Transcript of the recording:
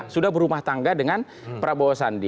sudah berumah tangga dengan prabowo sandi